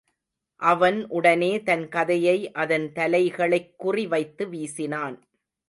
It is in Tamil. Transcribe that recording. அவன் உடனே தன் கதையை அதன் தலைகளைக் குறி வைத்து வீசினான்.